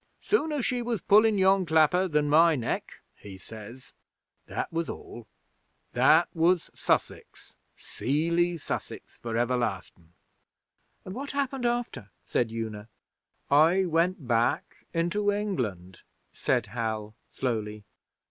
"Sooner she was pulling yon clapper than my neck, he says. That was all! That was Sussex seely Sussex for everlastin'!' 'And what happened after?' said Una. 'I went back into England,' said Hal, slowly.